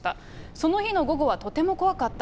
その日の午後はとても怖かった。